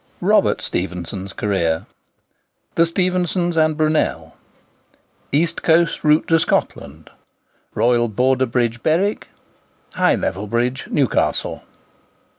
ROBERT STEPHENSON'S CAREER—THE STEPHENSONS AND BRUNEL—EAST COAST ROUTE TO SCOTLAND—ROYAL BORDER BRIDGE, BERWICK—HIGH LEVEL BRIDGE, NEWCASTLE.